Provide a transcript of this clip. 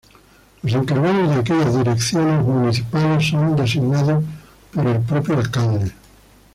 Los encargados de aquellas direcciones municipales son designados por el propio alcalde.